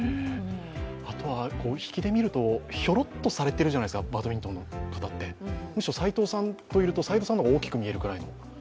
あとは引きで見るとひょろっとされてるじゃないですか、バドミントンの方ってむしろ斎藤さんといると、斎藤さんの方が大きく見えるくらいの。